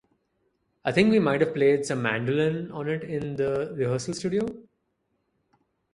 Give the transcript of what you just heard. I think we might have played some mandolin on it in the rehearsal studio.